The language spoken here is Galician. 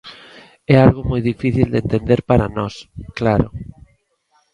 É algo moi difícil de entender para nós, claro.